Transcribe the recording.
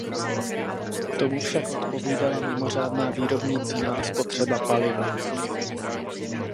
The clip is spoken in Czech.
Tomu však odpovídala mimořádná výrobní cena a spotřeba paliva.